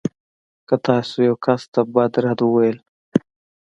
که تاسو يو کس ته بد رد وویل.